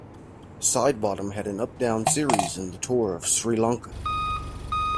Sidebottom had an up down series in the tour of Sri Lanka.